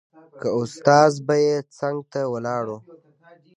که استاد به يې څنګ ته ولاړ و.